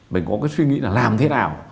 mình có cái suy nghĩ là làm thế nào